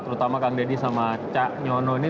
terutama kang deddy sama cak nyono ini